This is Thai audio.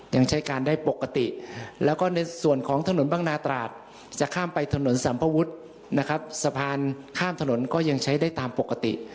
ยังใช้การได้ปกติแล้วก็ในส่วนของถนนบางนาตราดจะข้ามไปถนนสัมภวุฒินะครับสะพานข้ามถนนก็ยังใช้ได้ตามปกติ